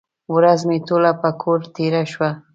ورځ مې ټوله په کور تېره شوه.